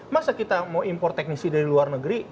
masa kita mau impor teknisi dari luar negeri